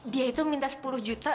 dia itu minta sepuluh juta